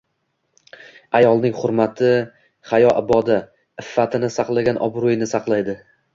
Ayolning hurmati hayo- iboda. Iffatini saqlagan obro‘yini saqlaydi.